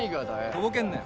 とぼけんなよ。